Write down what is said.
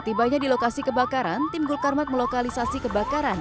tibanya di lokasi kebakaran tim gulkarmat melokalisasi kebakaran